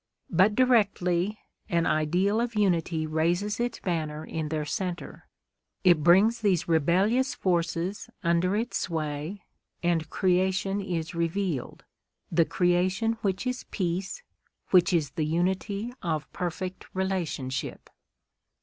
But directly an ideal of unity raises its banner in their centre, it brings these rebellious forces under its sway and creation is revealed—the creation which is peace, which is the unity of perfect relationship.